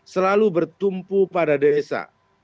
selalu bertumpu pada desa